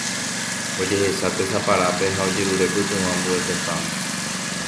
Ojehecha tesaparápe ha ojerure pytyvõ ambue tetãme.